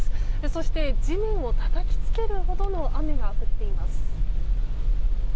そして地面をたたきつけるほどの雨が降っています。